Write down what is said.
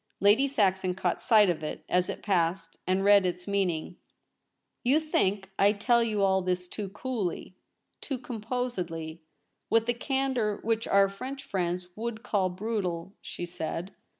Lady Saxon caught sight of it as it passed, and read its meaning. ' You think I tell you all this too coolly, too composedly — with a candour which our French friends would call brutal ?' she said.